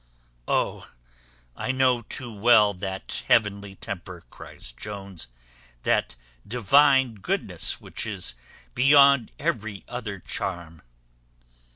"Oh, I know too well that heavenly temper," cries Jones, "that divine goodness, which is beyond every other charm."